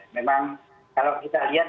memang kalau kita lihat